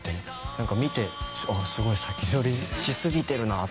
なんか見てすごい先取りしすぎてるなっていうか。